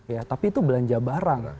ya tapi itu belanja barang